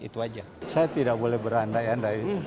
saya tidak boleh berandai andai